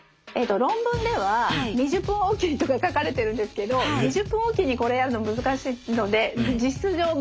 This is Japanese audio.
論文では２０分置きにとか書かれてるんですけど２０分置きにこれやるの難しいので実質上無理だと思うので。